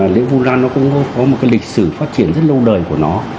lễ vu lan nó cũng có một cái lịch sử phát triển rất lâu đời của nó